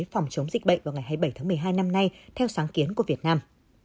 phòng chống dịch bệnh vào ngày hai mươi bảy tháng một mươi hai năm nay theo sáng kiến của việt nam